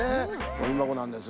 ごみばこなんです。